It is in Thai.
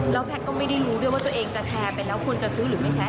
แพทย์ก็ไม่ได้รู้ด้วยว่าตัวเองจะแชร์ไปแล้วควรจะซื้อหรือไม่แชร์